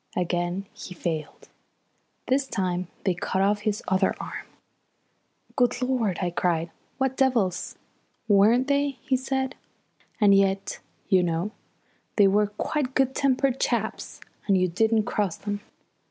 Again he failed. This time they cut off his other arm. "Good Lord," I cried. "What devils!" "Weren't they!" he said. "And yet, you know, they were quite good tempered chaps when you didn't cross them.